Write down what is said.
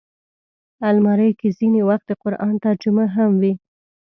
الماري کې ځینې وخت د قرآن ترجمه هم وي